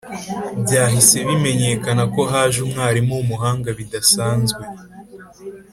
byahise bimenyekana ko haje umwarimu w' umuhanga bidasanzwe.